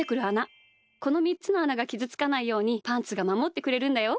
この３つのあながきずつかないようにパンツがまもってくれるんだよ。